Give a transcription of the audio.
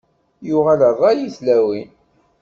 Yuɣal rray i tlawin.